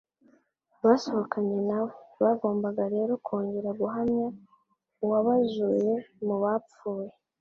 basohokanye na we. Bagombaga rero kongera guhamya uwabazuye mu bapfuye.